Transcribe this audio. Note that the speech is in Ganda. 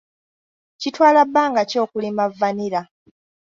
Kitwala bbanga ki okulima vanilla?